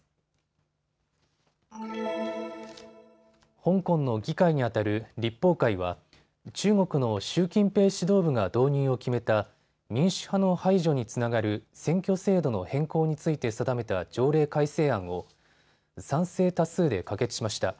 香港の議会にあたる立法会は中国の習近平指導部が導入を決めた民主派の排除につながる選挙制度の変更について定めた条例改正案を賛成多数で可決しました。